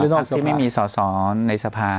ตอนที่ไม่มีสอสอในสภา